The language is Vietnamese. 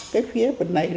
cái phía bên này